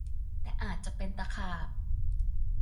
แต่อาจจะเป็นตะขาบ